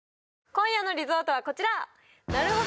今夜のリゾートはこちら！